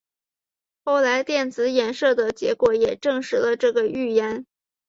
后来电子衍射的结果也证实了这个预言。